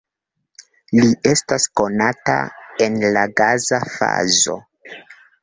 Li estas konata en la gaza fazo.